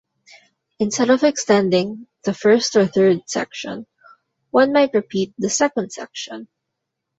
Instead of extending the first or third section, one might repeat the second section.